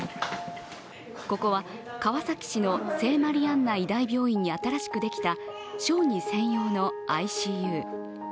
ここは、川崎市の聖マリアンナ医大病院に新しくできた小児専用のＩＣＵ。